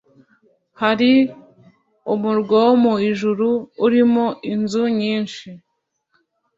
Hari umurwa wo mu ijuru urimo inzu nyinshi